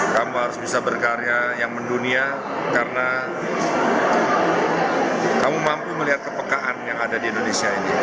kamu harus bisa berkarya yang mendunia karena kamu mampu melihat kepekaan yang ada di indonesia ini